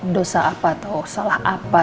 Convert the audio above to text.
dosa apa tahu salah apa